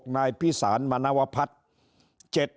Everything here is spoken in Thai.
นายพิสารมณวพัฒน์